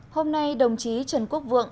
hôm nay đồng chí trần quốc vượng